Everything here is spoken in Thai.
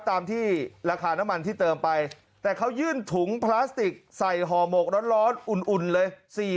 ตามที่ราคาน้ำมันที่เติมไปแต่เขายื่นถุงพลาสติกใส่ห่อหมกร้อนอุ่นเลย